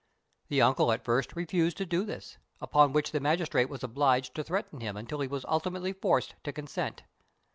The uncle at first refused to do this; upon which the magistrate was obliged to threaten him until he was ultimately forced to consent.